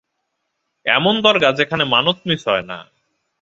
এমন দরগা যেখানে মানত মিস হয় না।